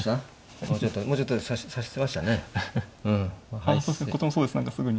こっちもそうですね何かすぐに。